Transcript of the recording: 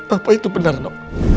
apa itu benar nop